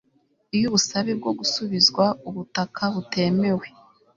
Iyo ubusabe bwo gusubizwa ubutaka butemewe